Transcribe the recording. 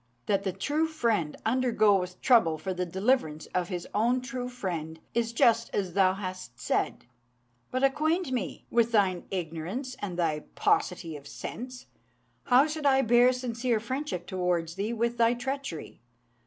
that the true friend undergoeth trouble for the deliverance of his own true friend is just as thou hast said; but acquaint me, with thine ignorance and thy paucity of sense, how I should bear sincere friendship towards thee with thy treachery.